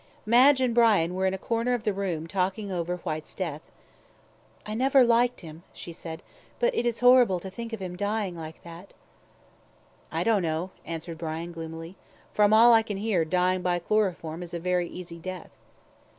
Madge and Brian were in a corner of the room talking over Whyte's death. "I never liked him," she said, "but it is horrible to think of him dying like that." "I don't know," answered Brian, gloomily; "from all I can hear dying by chloroform is a very easy death."